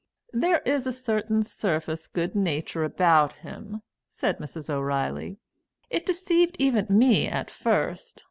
"There is a certain surface good nature about him," said Mrs. O'Reilly. "It deceived even me at first.